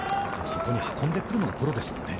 そこに運んでくるのがプロですもんね。